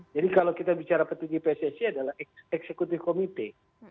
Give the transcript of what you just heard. jadi kalau kita bicara pt gpssi adalah eksekutif komite